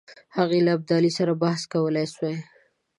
هغه له ابدالي سره بحث کولای سوای.